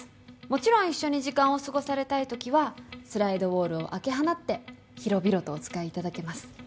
もちろん一緒に時間を過ごされたいときはスライドウォールを開け放って広々とお使いいただけます。